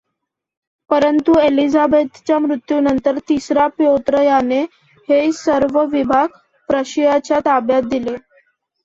परंतु एलिझाबेथच्या मृत्यूनंतर तिसरा प्योत्र याने हे सर्व विभाग प्रशियाच्या ताब्यात दिले.